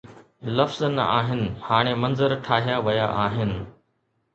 لفظ نه آهن، هاڻي منظر ٺاهيا ويا آهن.